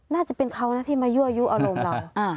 น่าจะเป็นเขานะที่มายั่วยุอารมณ์เรา